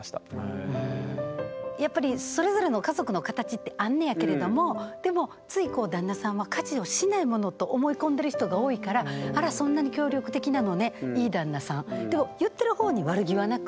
やっぱりそれぞれの家族の形ってあんねんやけれどもでもつい旦那さんは家事をしないものと思い込んでる人が多いからあらでも言ってる方に悪気はなく。